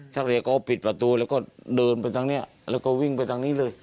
นักเรียนก็ปิดประตูแล้วก็เดินไปทางนี้แล้วก็วิ่งไปทางนี้เลย